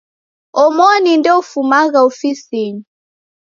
Omoni ndoufumagha ofisinyi.